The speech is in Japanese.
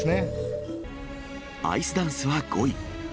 アイスダンスは５位。